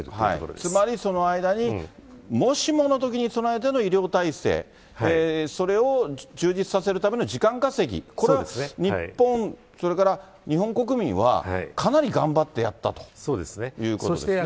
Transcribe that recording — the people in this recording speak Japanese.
つまりその間に、もしものときに備えての医療体制、それを充実させるための時間稼ぎ、これは日本、それから日本国民はかなり頑張ってやったということですね。